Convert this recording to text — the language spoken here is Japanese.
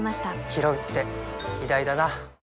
ひろうって偉大だな